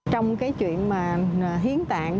trong cái chuyện mà hiến tạng